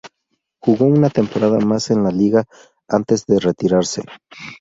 Jugó una temporada más en la liga antes de retirarse.